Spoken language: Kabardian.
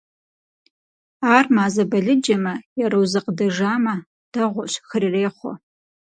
Ар мазэ балыджэмэ е розэ къыдэжамэ – дэгъуэщ, хырырехъуэ.